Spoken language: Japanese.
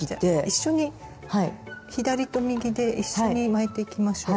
一緒に左と右で一緒に巻いていきましょう。